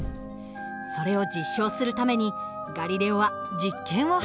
それを実証するためにガリレオは実験を始めました。